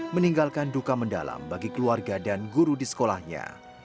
meninggalkan duka mendalam bagi keluarga dan guru di sekolahnya